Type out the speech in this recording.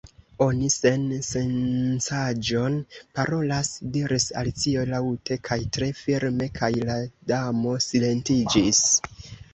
"Oni sen -sencaĵon parolas!" diris Alicio laŭte kaj tre firme; kaj la Damo silentiĝis!